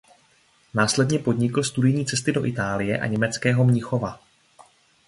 Následně podnikl studijní cesty do Itálie a německého Mnichova.